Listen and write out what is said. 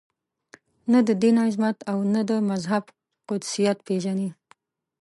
نه د دین عظمت او نه د مذهب قدسیت پېژني.